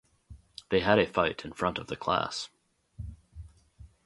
They had a fight in front of the class.